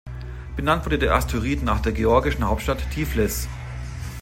Benannt wurde der Asteroid nach der georgischen Hauptstadt Tiflis.